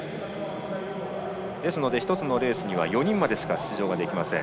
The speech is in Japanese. ですので１つのレースに４人までしか出場できません。